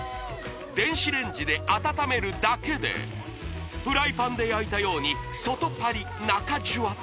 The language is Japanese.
電子レンジで温めるだけでフライパンで焼いたように外パリッ！